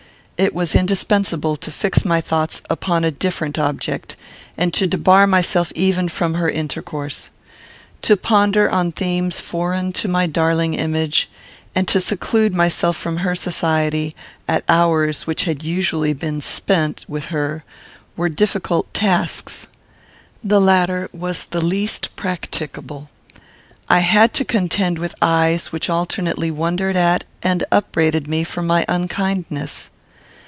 It was indispensable to fix my thoughts upon a different object, and to debar myself even from her intercourse. To ponder on themes foreign to my darling image, and to seclude myself from her society, at hours which had usually been spent with her, were difficult tasks. The latter was the least practicable. I had to contend with eyes which alternately wondered at and upbraided me for my unkindness.